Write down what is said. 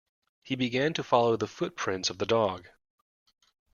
He began to follow the footprints of the dog.